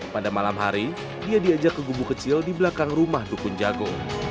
pada malam hari dia diajak ke gubu kecil di belakang rumah dukun jago